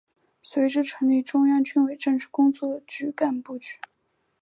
随之成立中央军委政治工作部干部局。